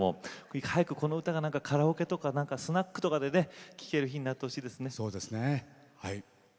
早くこの歌をカラオケやスナックとかで聴ける日になってほしいですね。